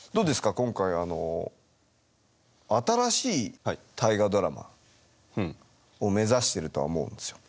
今回あの新しい「大河ドラマ」を目指しているとは思うんですよ。